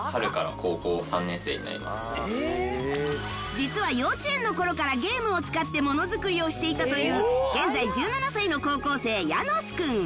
実は幼稚園の頃からゲームを使ってものづくりをしていたという現在１７歳の高校生ヤノスくん